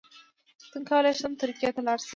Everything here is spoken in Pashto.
څنګه کولی شم ترکیې ته لاړ شم